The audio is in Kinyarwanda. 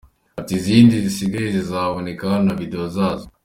Ati “Izindi zisigaye zizasohokana na Video zazo”.